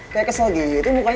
kayak kesel gitu mukanya